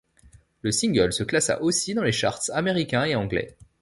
Le single se classa aussi dans les charts américains et anglais.